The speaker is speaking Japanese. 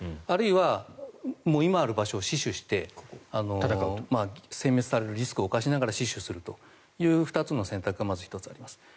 あるいは今ある場所を死守してせん滅されるリスクを冒しながら死守するという２つの選択がまず１つあります。